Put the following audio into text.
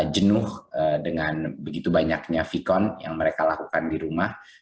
jenuh dengan begitu banyaknya vkon yang mereka lakukan di rumah